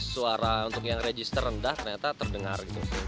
suara untuk yang register rendah ternyata terdengar